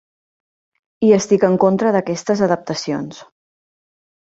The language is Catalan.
Hi estic en contra d'aquestes adaptacions...